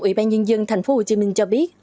ủy ban nhân dân tp hcm cho biết